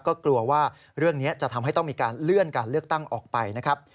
ก็กลัวว่าเรื่องนี้จะทำให้ต้องมีการเลื่อนการเลือกตั้งออกไปนะครับ